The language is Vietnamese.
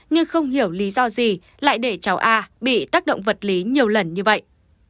nhưng không hiểu lý do gì lại để cháu a bị tác động vật lý nhiều lần như vậy